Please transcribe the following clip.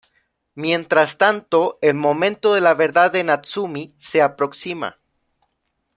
Mientras tanto, el momento de la verdad de Natsumi se aproxima.